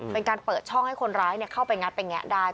เป็นการเปิดช่องให้คนร้ายเข้าไปงัดไปแงะได้